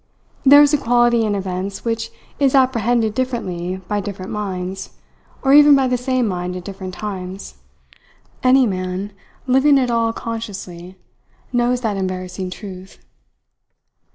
There is a quality in events which is apprehended differently by different minds or even by the same mind at different times. Any man living at all consciously knows that embarrassing truth.